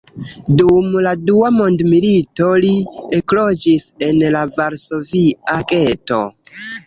Dum la dua mondmilito li ekloĝis en la varsovia geto.